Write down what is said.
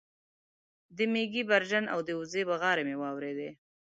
د مېږې برژن او د وزې بغارې مې واورېدې